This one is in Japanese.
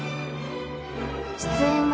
出演は